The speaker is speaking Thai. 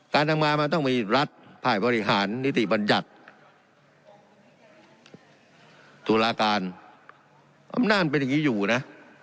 การทำงานมันต้องมีรัฐฝ่ายบริหารนิติบัญญัติตุลาการอำนาจเป็นอย่างนี้อยู่นะ